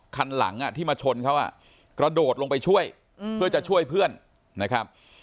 คันหลังที่มาชนเขากระโดดลงไปช่วยเพื่อจะช่วยเพื่อนนะครับ